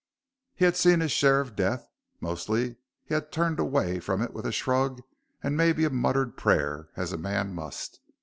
He had seen his share of death; mostly, he had turned away from it with a shrug and maybe a muttered prayer, as a man must.